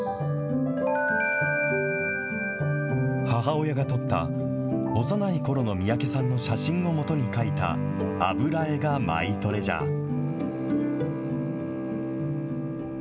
母親が撮った幼いころの三宅さんの写真をもとに描いた油絵がマイトレジャー。